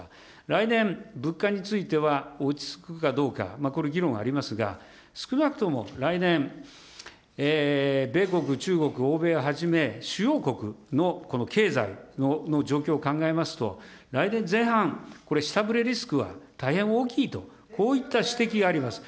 来年、物価については落ち着くかどうか、これ、議論がありますが、少なくとも来年、米国、中国、欧米をはじめ、主要国のこの経済の状況を考えますと、来年前半、これ、下振れリスクは大変大きいと、こういった指摘があります。